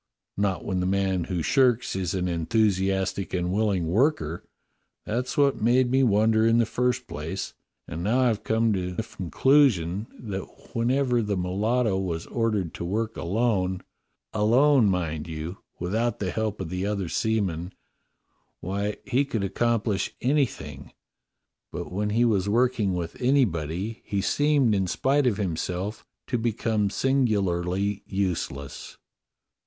"Not when the man who shirks is an enthusiastic and willing worker. That's what made me wonder in the first place, and I've now come to the conclusion A CURIOUS BREAKFAST PARTY 151 that whenever the mulatto was ordered to work alone — alone, mind you, without the help of the other sea men — why, he could accomplish anything, but when he was working with anybody, he seemed, in spite of himself, to become singularly useless."